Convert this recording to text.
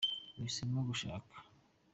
Uhisemo gushaka